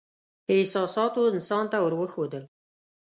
احساساتو انسان ته ور وښودل.